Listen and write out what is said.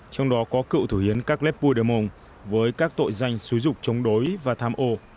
trong đó có cựu thủ hiến các lép puidemont với các tội danh xúi dục chống đối và tham ô